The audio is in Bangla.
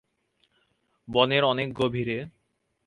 বনের অনেক গভীরে।